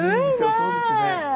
そうですね。